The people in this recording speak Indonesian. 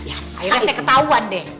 akhirnya saya ketahuan deh